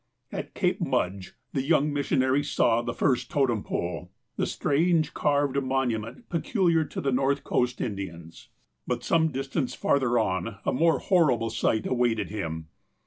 At Cape Mudge the young missionary saw the first to tem pole, the strange carved monument peculiar to the North coast Indians. But some distance farther on a more horrible sight awaited him.